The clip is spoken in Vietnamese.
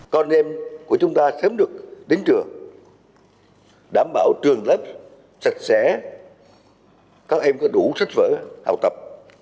con em của chúng ta sớm được đến trường đảm bảo trường lớp sạch sẽ các em có đủ sách vở học tập